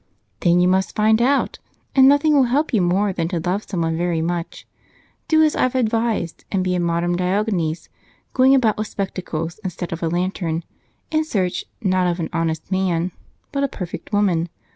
"Then you must find out, and nothing will help you more than to love someone very much. Do as I've advised and be a modern Diogenes going about with spectacles instead of a lantern in search, not of an honest man, but a perfect woman.